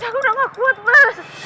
aku udah gak kuat mas